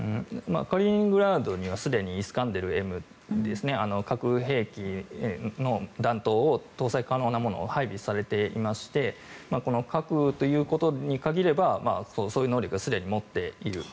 カリーニングラードにはすでにイスカンデルＭ核兵器の弾頭を搭載可能なものが配備されていましてこの核ということに限ればそういう能力はすでに持っている。